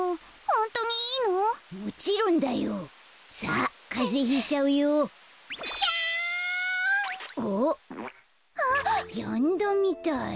あっやんだみたい。